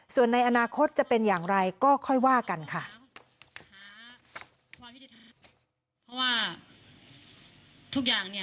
ส่วนในอนาคตจะเป็นอย่างไรก็ค่อยว่ากันค่ะ